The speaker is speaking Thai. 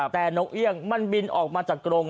แต่นกเอี่ยงมันบินออกมาจากกรง